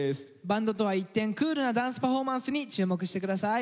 バンドとは一転クールなダンスパフォーマンスに注目して下さい。